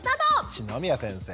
篠宮先生。